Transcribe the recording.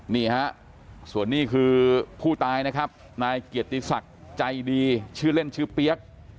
นี่ฮะส่วนนี้คือผู้ตายนะครับนายเกียรติศักดิ์ใจดีชื่อเล่นชื่อเปี๊ยก